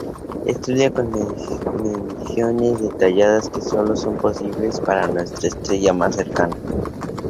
Estudia con mediciones detalladas que sólo son posibles para nuestra estrella más cercana.